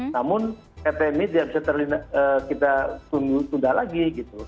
namun ptm ini dia bisa kita tunda lagi gitu